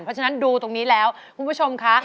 เพราะฉะนั้นดูตรงนี้แล้วคุณผู้ชมค่ะ